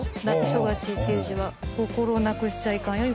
忙しいっていう字は心を亡くしちゃいかんよ